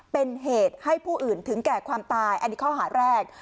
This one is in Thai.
เป็นเหตุให้ผู้อื่นถึงแก่ความตายอันนี้ข้อหาแรก